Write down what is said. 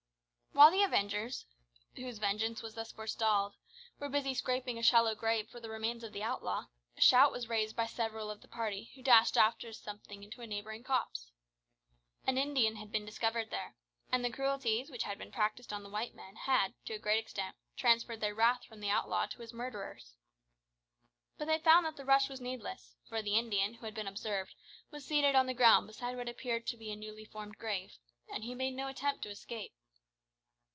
While the avengers whose vengeance was thus forestalled were busy scraping a shallow grave for the remains of the outlaw, a shout was raised by several of the party who dashed after something into a neighbouring copse. An Indian had been discovered there, and the cruelties which had been practised on the white man had, to a great extent, transferred their wrath from the outlaw to his murderers. But they found that the rush was needless, for the Indian who had been observed was seated on the ground beside what appeared to be a newly formed grave, and he made no attempt to escape.